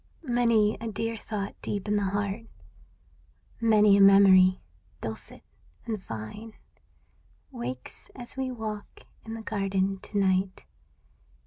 K)i5 Many a dear thought deep in the heart, Many a memory, dulcet and fine. Wakes as we walk in the garden to night.